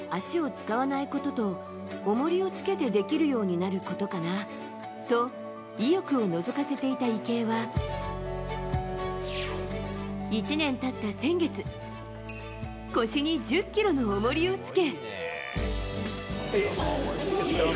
去年８月、懸垂は。と意欲をのぞかせていた池江は１年経った先月腰に１０ｋｇの重りをつけ。